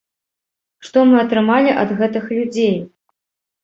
Што мы атрымалі ад гэтых людзей?